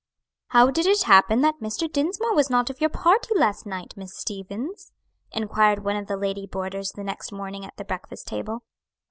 "How did it happen that Mr. Dinsmore was not of your party last night, Miss Stevens?" inquired one of the lady boarders the next morning at the breakfast table.